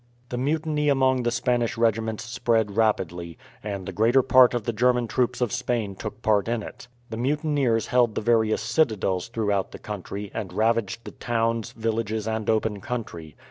The mutiny among the Spanish regiments spread rapidly, and the greater part of the German troops of Spain took part in it. The mutineers held the various citadels throughout the country, and ravaged the towns, villages, and open country.